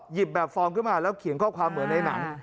แบบฟอร์มขึ้นมาแล้วเขียนข้อความเหมือนในหนัง